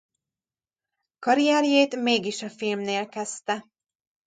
Karrierjét mégis a filmnél kezdte.